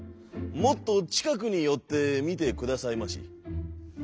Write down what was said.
もっとちかくによってみてくださいまし」。